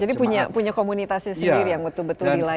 jadi punya komunitasnya sendiri yang betul betul dilayani